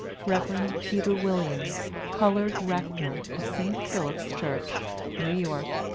REV. PETER WILLIAMS, colored Rector of St. Philip's Church, New York, 1835.